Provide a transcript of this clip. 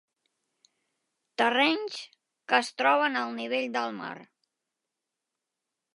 Terrenys que es troben al nivell del mar.